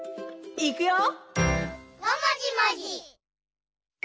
いくよ！